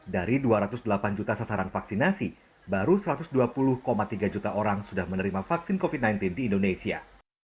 dari dua ratus delapan juta sasaran vaksinasi baru satu ratus dua puluh tiga juta orang sudah menerima vaksin covid sembilan belas di indonesia